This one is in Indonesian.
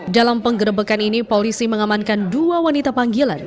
dalam penggerebekan ini polisi mengamankan dua wanita panggilan